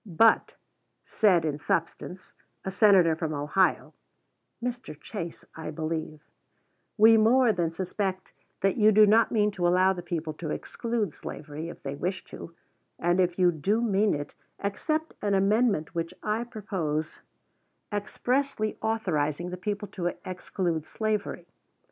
"But," said, in substance, a Senator from Ohio (Mr. Chase, I believe), "we more than suspect that you do not mean to allow the people to exclude slavery if they wish to; and if you do mean it, accept an amendment which I propose expressly authorizing the people to exclude slavery."